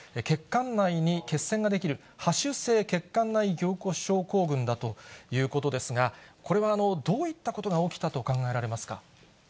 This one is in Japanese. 血管内に血栓が出来る、播種性血管内凝固症候群だということですが、これはどういったことが起きたと考えられますか。